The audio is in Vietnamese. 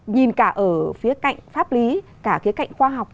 nhìn cả ở phía cạnh pháp lý cả cái cạnh khoa học